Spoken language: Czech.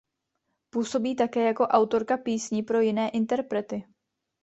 Působí také jako autorka písní pro jiné interprety.